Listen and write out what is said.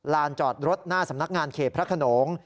ลานจอดรถหน้าสำนักงานเขตพระขนง